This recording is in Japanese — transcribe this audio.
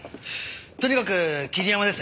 とにかく桐山です。